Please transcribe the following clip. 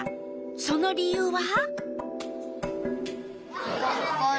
その理由は？